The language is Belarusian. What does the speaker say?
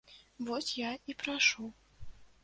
Вось я і прашу.